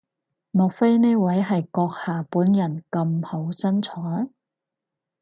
莫非呢位係閣下本人咁好身材？